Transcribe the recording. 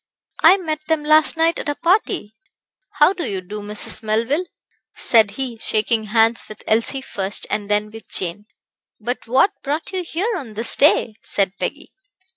"I met them last night at a party. How do you do, Miss Melville?" said he, shaking hands with Elsie first, and then with Jane. "But what brought you here on this day?" said Peggy.